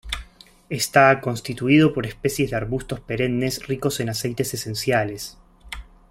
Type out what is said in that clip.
Está constituido por especies de arbustos perennes, ricos en aceites esenciales.